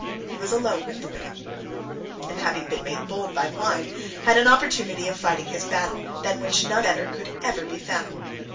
He was alone with the widow, and having been made bold by wine, had an opportunity of fighting his battle, than which none better could ever be found.